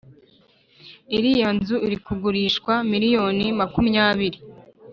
Iriya nzu irikugurishwa miliyoni makumyabiri